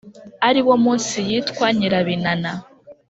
ari wo munsi yitwa nyirabinana